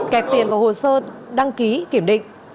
kẹp tiền vào hồ sơ đăng ký kiểm định